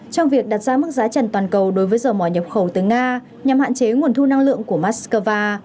trong việc đặt ra mức giá trần toàn cầu đối với dầu mỏ nhập khẩu từ nga nhằm hạn chế nguồn thu năng lượng của moscow